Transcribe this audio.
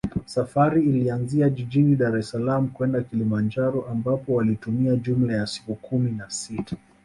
Safari ilianzia jijini Daressalaam kwenda Kilimanjaro ambapo walitumia jumla ya siku kumi na sita